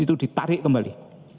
itu ditarik kembali